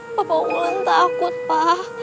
papa mulan takut pa